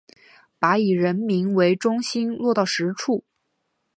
把以人民为中心落到实处